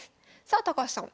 さあ高橋さん